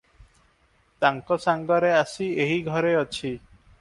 ତାଙ୍କ ସାଂଗରେ ଆସି ଏହି ଘରେ ଅଛି ।"